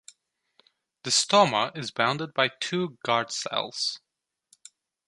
The stoma is bounded by two guard cells.